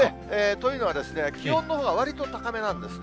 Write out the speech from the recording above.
というのは、気温のほうはわりと高めなんですね。